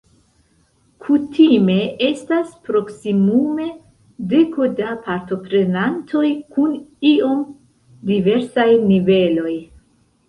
Kutime estas proksimume deko da partoprenantoj kun iom diversaj niveloj.